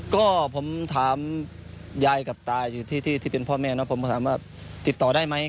ก็ผมถามยายกับตาอยู่ที่ที่เป็นพ่อแม่เนาะผมก็ถามว่าติดต่อได้ไหม